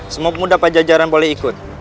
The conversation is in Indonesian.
semua pemuda pajajaran boleh ikut